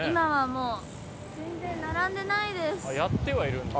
やってはいるんだ。